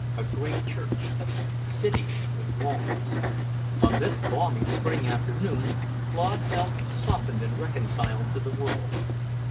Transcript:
a great church... cities with walls. On this balmy spring afternoon, Claude felt softened and reconciled to the world.